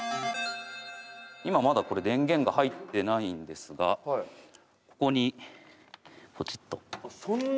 今まだこれ電源が入ってないんですがここにポチッと。